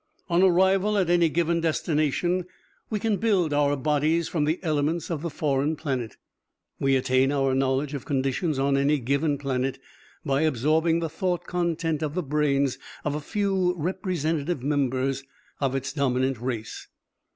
"On arrival at any given destination, we can build our bodies from the elements of the foreign planet. We attain our knowledge of conditions on any given planet by absorbing the thought content of the brains of a few representative members of its dominant race.